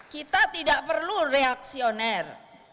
kita tidak perlu reaksioner